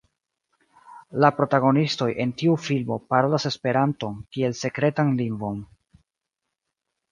La protagonistoj en tiu filmo parolas Esperanton kiel sekretan lingvon.